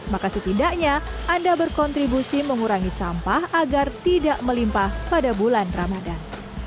maka setidaknya anda berkontribusi mengurangi sampah agar tidak melimpah pada bulan ramadan